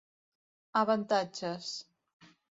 Avantatges: